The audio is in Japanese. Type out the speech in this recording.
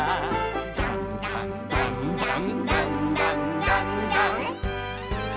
「だんだんだんだんだんだんだんだん」